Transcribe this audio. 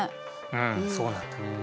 うんそうなんだ。